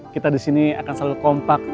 kita disini akan selalu kompak